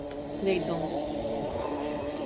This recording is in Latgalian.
Leidzons.